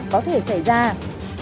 tăng cường kiểm tra sự phát triển